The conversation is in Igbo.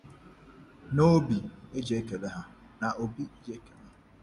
na obi e ji ekele ha.